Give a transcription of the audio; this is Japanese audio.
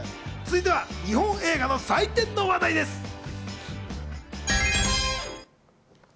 続いては日本映画の祭典の話題です。